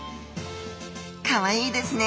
かわいいですね